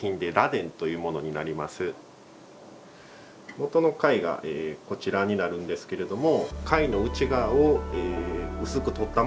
もとの貝がこちらになるんですけれども。